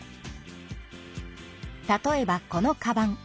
例えばこのカバン。